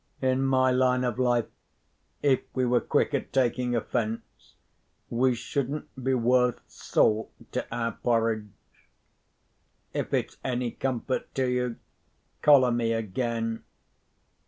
"In my line of life if we were quick at taking offence, we shouldn't be worth salt to our porridge. If it's any comfort to you, collar me again.